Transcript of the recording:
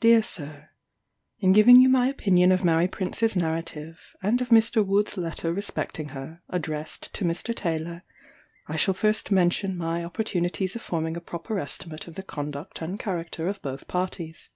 "Dear Sir, "In giving you my opinion of Mary Prince's narrative, and of Mr. Wood's letter respecting her, addressed to Mr. Taylor, I shall first mention my opportunities of forming a proper estimate of the conduct and character of both parties.